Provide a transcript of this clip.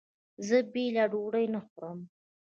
زه بېله ډوډۍ نه خورم.